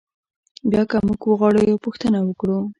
بیا که موږ وغواړو یوه پوښتنه وکړو.